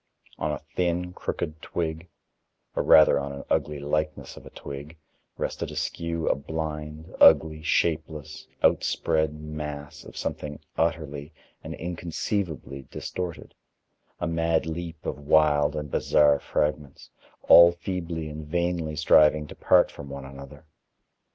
On a thin, crooked twig, or rather on an ugly likeness of a twig rested askew a blind, ugly, shapeless, outspread mass of something utterly and inconceivably distorted, a mad leap of wild and bizarre fragments, all feebly and vainly striving to part from one another.